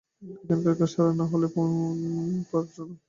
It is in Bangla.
এখানকার কাজ সারা না হলে তুমি যেতে পারছ না।